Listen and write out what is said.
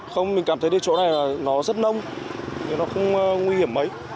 không mình cảm thấy chỗ này nó rất nông nhưng nó không nguy hiểm mấy